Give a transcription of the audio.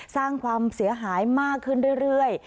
สร้างความเสียหายมากขึ้นเรื่อย